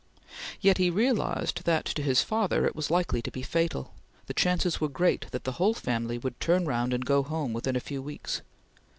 Yet he realized that to his father it was likely to be fatal. The chances were great that the whole family would turn round and go home within a few weeks.